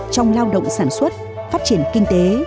trong lao động sản xuất phát triển kinh tế